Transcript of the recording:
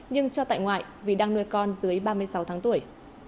nhưng cho tại ngoại vì đang nuôi con dưới ba mươi sáu tháng tuổi